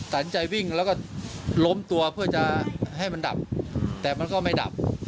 ตัดสินใจวิ่งแล้วก็ล้มตัวเพื่อจะให้มันดับแต่มันก็ไม่ดับ